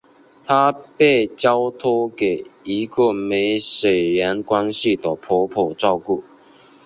他被交托给一个没血缘关系的婆婆照顾。